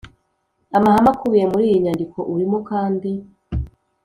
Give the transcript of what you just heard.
Amahame akubiye muri iyi nyandiko urimo kandi